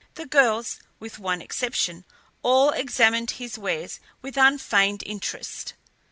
The girls, with one exception, all examined his wares with unfeigned interest.